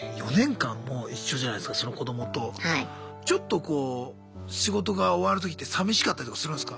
ちょっとこう仕事が終わる時ってさみしかったりとかするんすか？